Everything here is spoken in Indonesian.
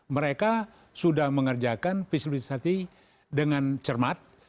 mereka sudah mengerjakan visibility study dengan cermat